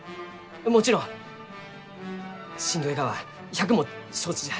もちろんしんどいがは百も承知じゃ。